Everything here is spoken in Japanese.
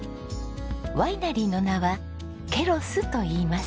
ワイナリーの名はＫＥＬＯＳといいます。